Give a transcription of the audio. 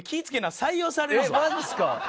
えっマジっすか？